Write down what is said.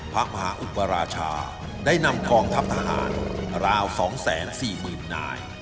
พระมหาอุปราชาได้นำกองทัพทหารราว๒๔๐๐๐นาย